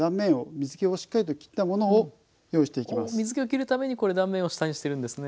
水けをきるためにこれ断面を下にしてるんですね。